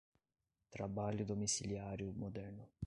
trabalho domiciliário moderno